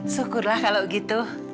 syukurlah kalau gitu